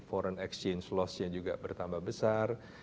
foreign exchange loss nya juga bertambah besar